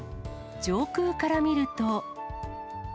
上空から見ると。